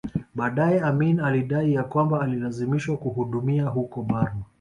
Baadae Amin alidai ya kwamba alilazimishwa kuhudumia huko Burma